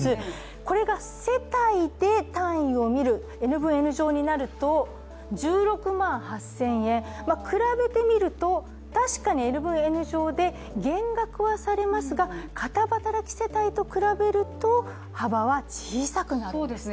これが世帯で単位を見るＮ分Ｎ乗になると、１６万８０００円、比べてみると確かにＮ分Ｎ乗で減額はされますが、片働き世帯と比べると幅は小さくなるんですね。